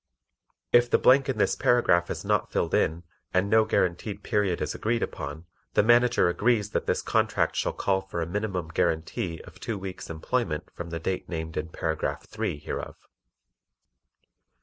If the blank in this paragraph is not filled in, and no guaranteed period is agreed upon, the Manager agrees that this contract shall call for a minimum guaranty of two weeks' employment from the date named in Paragraph three hereof.